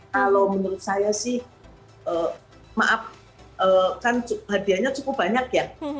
kalau menurut saya sih maaf kan hadiahnya cukup banyak ya